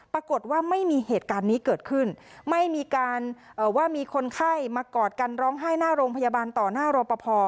ปรากฏว่าไม่มีเหตุการณ์นี้เกิดขึ้นไม่มีการว่ามีคนไข้มากอดกันร้องไห้หน้าโรงพยาบาลต่อหน้ารอปภ